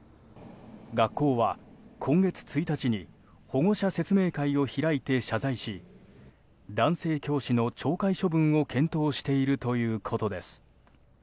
学校は今月１日に保護者説明会を開いて謝罪し男性教師の懲戒処分を検討しているということです。